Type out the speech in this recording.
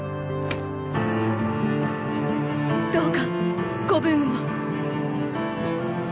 どうかご武運を。